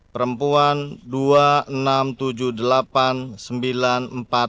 perempuan tiga ribu satu ratus sembilan puluh dua dua ribu enam ratus tujuh puluh delapan sembilan ratus empat puluh satu